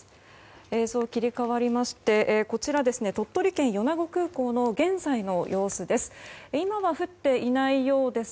映像切り替わりましてこちらは鳥取県米子空港の現在の様子です。